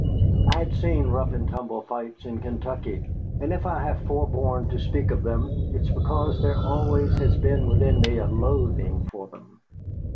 I had seen rough and tumble fights in Kentucky, and if I have forborne to speak of them it is because there always has been within me a loathing for them.